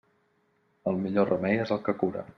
El millor remei és el que cura.